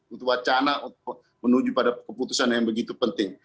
untuk wacana menuju pada keputusan yang begitu penting